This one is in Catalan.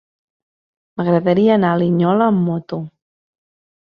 M'agradaria anar a Linyola amb moto.